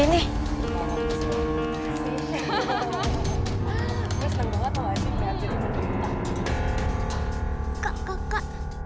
ini temen om chandra